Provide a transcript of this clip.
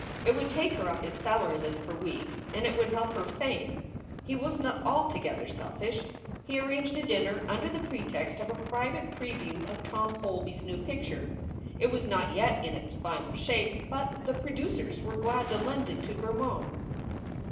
It would take her off his salary list for weeks and it would help her fame. He was not altogether selfish. He arranged a dinner under the pretext of a private preview of Tom Hol by s new picture. It was not yet in its final shape, but the producers were glad to lend it to Bermond.